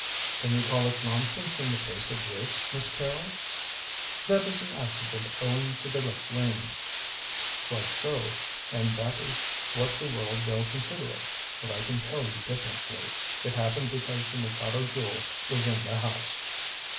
"Can you call it nonsense in the face of this, Miss Carrol?" "That is an accident owing to the late rains." "Quite so, and that is what the world will consider it. But I can tell you differently. It happened because the Mikado Jewel was in the house."